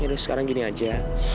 terus sekarang gini aja